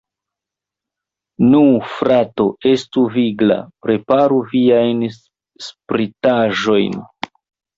Nu, frato, estu vigla, preparu viajn spritaĵojn!